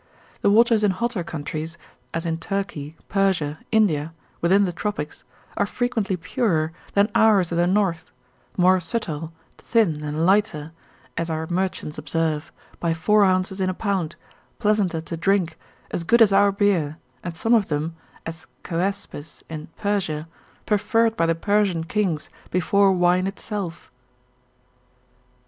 The waters in hotter countries, as in Turkey, Persia, India, within the tropics, are frequently purer than ours in the north, more subtile, thin, and lighter, as our merchants observe, by four ounces in a pound, pleasanter to drink, as good as our beer, and some of them, as Choaspis in Persia, preferred by the Persian kings, before wine itself.